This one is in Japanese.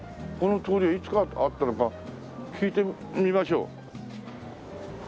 この通りはいつからあったのか聞いてみましょう。